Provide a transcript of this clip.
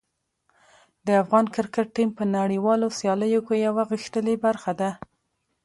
د افغان کرکټ ټیم په نړیوالو سیالیو کې یوه غښتلې برخه ده.